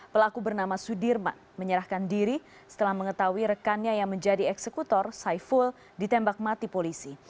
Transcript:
pelaku bernama sudirman menyerahkan diri setelah mengetahui rekannya yang menjadi eksekutor saiful ditembak mati polisi